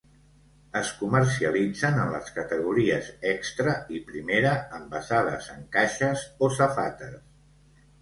Es comercialitzen en les categories extra i primera envasades en caixes o safates.